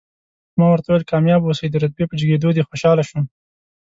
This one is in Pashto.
ما ورته وویل، کامیاب اوسئ، د رتبې په جګېدو دې خوشاله شوم.